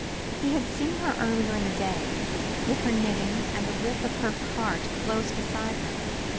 He had seen her earlier in the day, with her knitting and the whip of her cart close beside her.